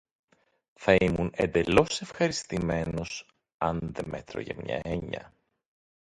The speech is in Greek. Θα ήμουν εντελώς ευχαριστημένος, αν δε μ' έτρωγε μια έννοια